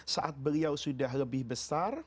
saat beliau sudah lebih besar